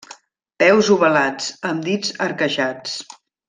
Peus ovalats, amb dits arquejats.